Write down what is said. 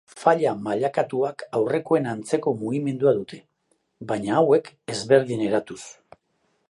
Faila-mailakatuak aurrekoen antzeko mugimendua dute baina hauek ezberdin eratuz.